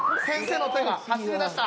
先生の手が！